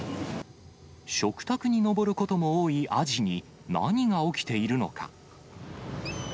食卓に上ることも多いアジに何が起きているのか。